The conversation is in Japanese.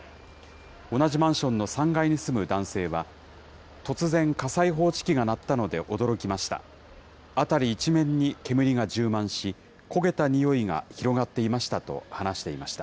同じマンションの３階に住む男性は、突然、火災報知器が鳴ったので驚きました。